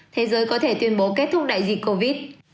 thế giới có thể tuyên bố kết thúc đại dịch covid